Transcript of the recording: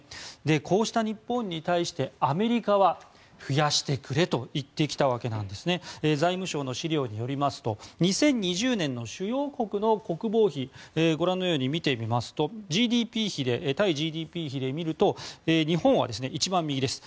こうした日本に対してアメリカは増やしてくれと言ってきたわけです財務省の資料によりますと２０２０年の主要国の国防費ご覧のように見てみますと対ＧＤＰ比で見ると日本は一番右です。